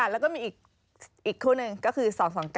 แล้วก็มีอีกคู่หนึ่งก็คือ๒๒๙